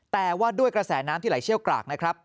แต่ว่าด้วยกระแสน้ำที่ไหลเชี่ยวกรากนะครับ